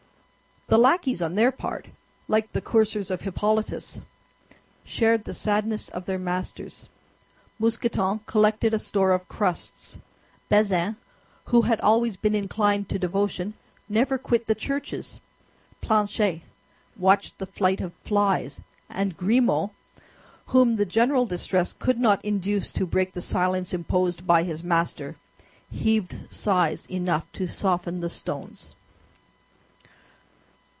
The lackeys on their part, like the coursers of Hippolytus, shared the sadness of their masters. Mousqueton collected a store of crusts; Bazin, who had always been inclined to devotion, never quit the churches; Planchet watched the flight of flies; and Grimaud, whom the general distress could not induce to break the silence imposed by his master, heaved sighs enough to soften the stones.